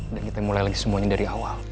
kita mulai lagi semuanya dari awal